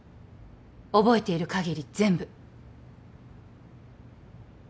覚えている限り全部。